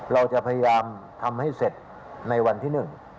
เราจะพยายามทำให้เสร็จในวันที่๑